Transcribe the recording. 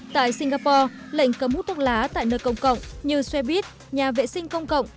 tại singapore lệnh cấm hút thuốc lá tại nơi công cộng như xe buýt nhà vệ sinh công cộng